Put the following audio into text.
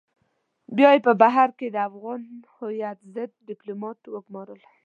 بيا يې په بهر کې د افغان هويت ضد ډيپلومات وگمارل.